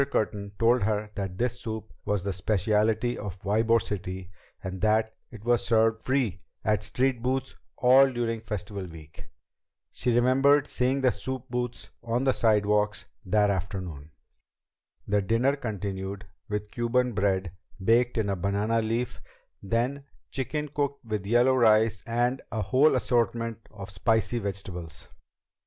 Curtin told her that this soup was the speciality of Ybor City and that it was served free at street booths all during Festival Week. She remembered seeing the soup booths on the sidewalks that afternoon. The dinner continued with Cuban bread baked in a banana leaf; then chicken cooked with yellow rice and a whole assortment of spicy vegetables.